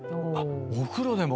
お風呂でも！